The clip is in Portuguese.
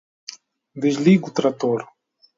Desligue o trator